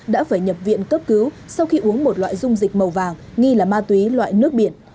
đã phải nhập viện cấp cứu sau khi uống một loại dung dịch màu vàng nghi là ma túy loại nước biển